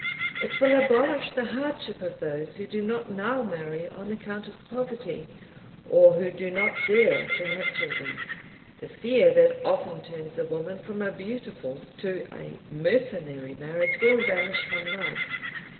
It will abolish the hardship of those who do not now marry on account of poverty, or who do not dare to have children. The fear that often turns a woman from a beautiful to a mercenary marriage will vanish from life.